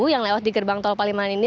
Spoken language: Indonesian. yang lewat di gerbang tol paliman ini